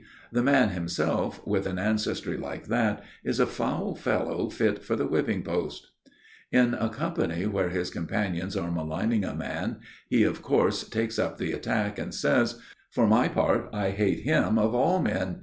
The man himself, with an ancestry like that, is a foul fellow fit for the whipping post." In a company where his companions are maligning a man, he of course takes up the attack and says: "For my part I hate him of all men.